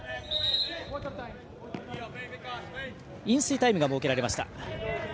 飲水タイムが設けられました。